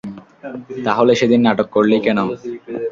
তাহলে সেদিন নাটক করলি কেন?